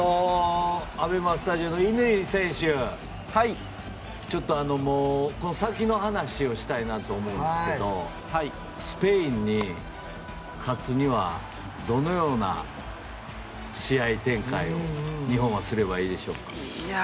スタジオの乾選手先の話をしたいと思うんですがスペインに勝つにはどのような試合展開を日本はすればいいでしょうか。